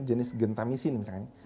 jenis gentamisin misalnya